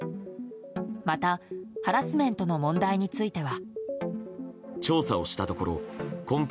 またハラスメントの問題については。